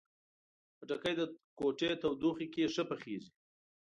خټکی د کوټې تودوخې کې ښه پخیږي.